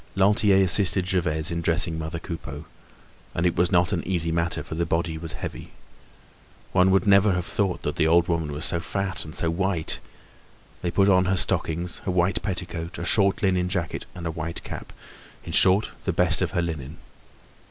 Lantier assisted Gervaise in dressing mother Coupeau—and it was not an easy matter, for the body was heavy. One would never have thought that that old woman was so fat and so white. They put on her stockings, a white petticoat, a short linen jacket and a white cap—in short, the best of her linen.